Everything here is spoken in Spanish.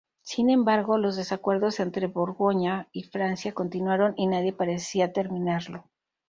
Sin embargo, los desacuerdos entre Borgoña y Francia continuaron y nadie parecía terminarlo.